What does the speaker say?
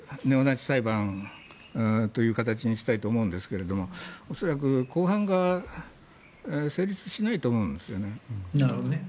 ネオナチ裁判という形にしたいと思うんですが恐らく公判が成立しないと思うんですよね。